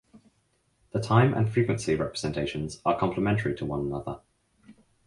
The time and frequency representations are complementary to one another.